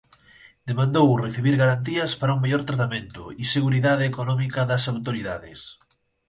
Demandou recibir garantías para un mellor tratamento e seguridade económica das autoridades.